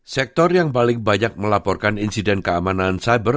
sektor yang paling banyak melaporkan insiden keamanan cyber